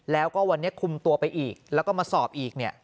แล้วก็วันนี้คุมตัวไปอีกแล้วก็มาสอบอีกเนี่ย